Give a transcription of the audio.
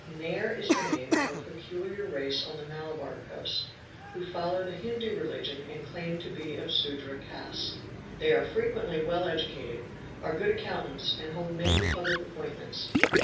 Nair is the name of a peculiar race on the Malabar Coast, who follow the Hindu religion and claim to be of Sudra caste. They are frequently well educated, are good account ants, and hold many public appointments.